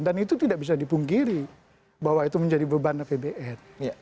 dan itu tidak bisa dipungkiri bahwa itu menjadi beban apbn